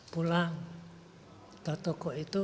pulang ke toko itu